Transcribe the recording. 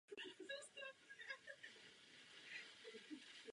Delší užívání poškozuje nos a plíce.